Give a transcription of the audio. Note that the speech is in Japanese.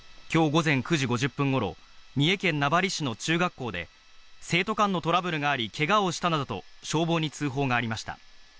きょう午前９時５０分ごろ、三重県名張市の中学校で、生徒間のトラブルがあり、けがをしたなどと、消防に通報がありました。